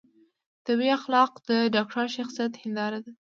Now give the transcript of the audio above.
طبي اخلاق د ډاکتر د شخصیت هنداره ده